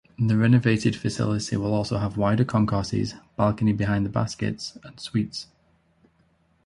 The renovated facility will also have wider concourses, balconies behind the baskets, and suites.